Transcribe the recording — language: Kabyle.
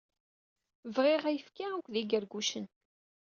Bɣiɣ ayefki akked d igargucen.